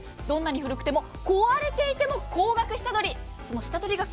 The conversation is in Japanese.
どんなに古くても、壊れていても高額下取り。